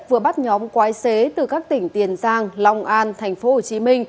vừa bắt nhóm quái xế từ các tỉnh tiền giang long an tp hcm